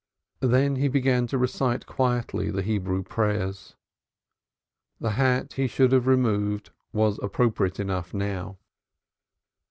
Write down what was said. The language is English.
Then he began to recite quietly the Hebrew prayers. The hat he should have removed was appropriate enough now.